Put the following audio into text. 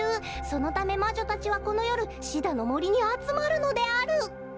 そのため魔女たちはこのよるシダのもりにあつまるのである」。